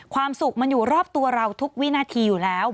ความสุขมันอยู่รอบตัวเราทุกวินาทีอยู่แล้ว